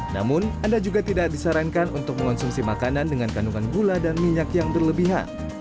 namun anda juga tidak disarankan untuk mengonsumsi makanan dengan kandungan gula dan minyak yang berlebihan